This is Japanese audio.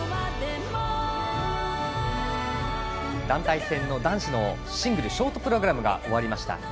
団体戦の男子のシングルショートプログラム終わりました。